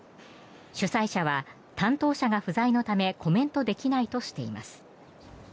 主催者は、担当者が不在のためコメントできないとしています。